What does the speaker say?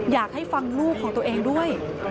อยากให้ฟังลูกของตัวเองด้วย